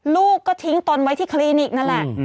ลูกก็ทิ้งตนไว้ที่คลินิกนั่นแหละ